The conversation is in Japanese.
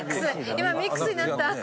今ミックスになった。